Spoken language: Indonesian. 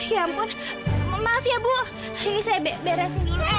ya ampun maaf ya bu ini saya beresin dulu